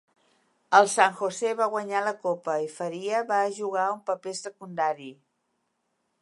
El San Jose va guanyar la copa i Faria va jugar un paper secundari.